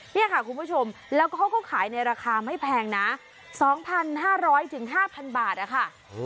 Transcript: นี่ค่ะคุณผู้ชมแล้วเขาก็ขายในราคาไม่แพงนะ๒๕๐๐๕๐๐บาทนะคะ